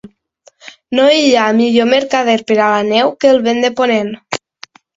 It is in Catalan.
No hi ha millor mercader per a la neu que el vent de ponent.